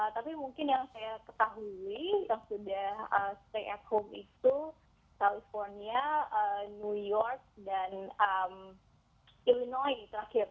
tapi mungkin yang saya ketahui yang sudah stay at home itu california new york dan illinois terakhir